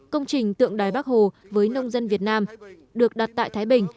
công trình tượng đài bắc hồ với nông dân việt nam được đặt tại thái bình